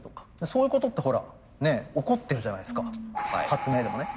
そういうことってほらね起こってるじゃないですか発明でもね。